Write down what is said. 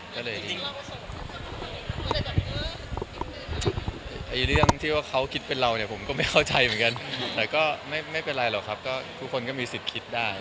ก็เลยเรื่องที่ว่าเขาคิดเป็นเราเนี่ยผมก็ไม่เข้าใจเหมือนกันแต่ก็ไม่เป็นไรหรอกครับก็ทุกคนก็มีสิทธิ์คิดได้